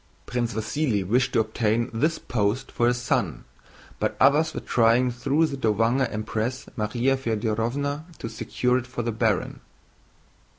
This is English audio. Prince Vasíli wished to obtain this post for his son, but others were trying through the Dowager Empress Márya Fëdorovna to secure it for the baron.